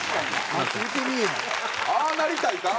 ああなりたいんか？